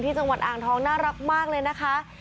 จังหวัดอ่างทองน่ารักมากเลยนะคะ